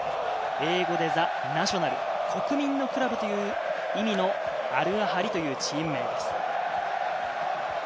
英語でザ・ナショナル、国民のクラブという意味のアルアハリというチーム名です。